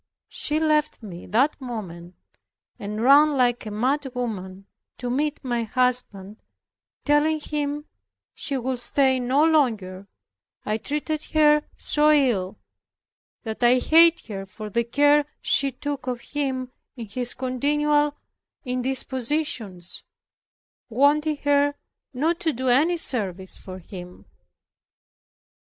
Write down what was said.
She left me that moment, and ran like a mad woman to meet my husband telling him she would stay no longer, I treated her so ill, that I hated her for the care she took of him in his continual indispositions, wanting her not to do any service for him.